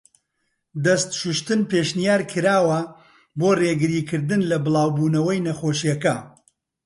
دەست شووشتن پێشنیارکراوە بۆ ڕێگری کردن لە بڵاو بوونەوەی نەخۆشیەکە.